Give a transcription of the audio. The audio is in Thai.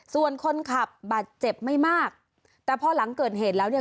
ส่วนคนขับบาดเจ็บไม่มากแต่พอหลังเกิดเหตุแล้วเนี่ย